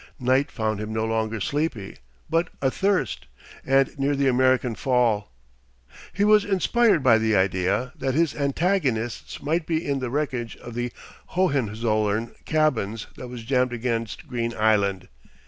Night found him no longer sleepy, but athirst, and near the American Fall. He was inspired by the idea that his antagonists might be in the wreckage of the Hohenzollern cabins that was jammed against Green Island.